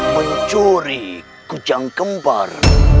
pencuri kucang kembar